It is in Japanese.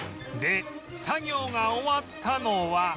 で作業が終わったのは